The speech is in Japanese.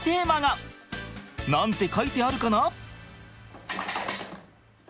何て書いてあるかな？